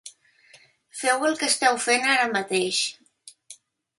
Feu el que esteu fent ara mateix.